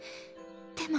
でも。